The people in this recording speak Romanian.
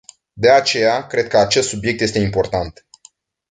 De aceea, cred că acest subiect este important.